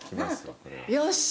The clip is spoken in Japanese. よし！